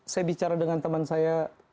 saya bicara dengan teman saya